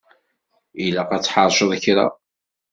Ilaq ad tḥerceḍ kra.